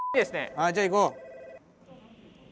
ああじゃあ行こう。